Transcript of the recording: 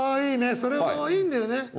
それもいいんだよね。